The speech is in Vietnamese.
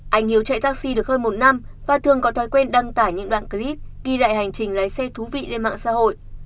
anh hiếu chạy taxi được hơn một năm và thường có thói quen đăng tải những đoạn clip ghi lại hành trình lái xe thú vị lên mạng xã hội